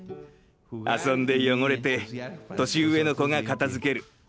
遊んで汚れて年上の子が片づける。